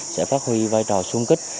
sẽ phát huy vai trò xung kích